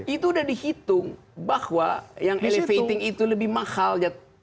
itu udah dihitung bahwa yang elevating itu lebih mahal